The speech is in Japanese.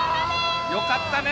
よかったね。